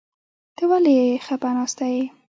ته ولې خپه ناسته يې ؟